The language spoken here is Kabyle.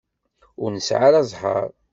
Ur nesεi ara ẓẓher.